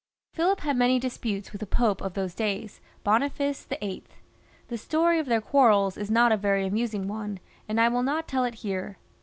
Philip had many disputes with the Pope of those days, Boniface VIII. The story of their quarrels is not a yqij amusing one, and I will not tell it here.